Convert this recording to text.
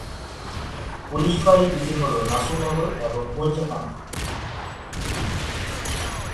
Police ফাঁড়ি দুটি হল- নাসিরনগর এবং মরিচাকান্দি।